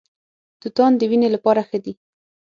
توتان د وینې لپاره ښه دي.